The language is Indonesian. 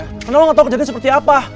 karena lu gak tau kejadian seperti apa